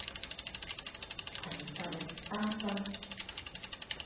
憑實力單身